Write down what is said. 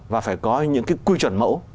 và phải có những cái quy chuẩn mẫu